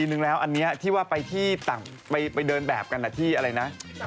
นึงแล้วอันนี้ที่ว่าไปที่ต่างไปเดินแบบกันที่อะไรนะ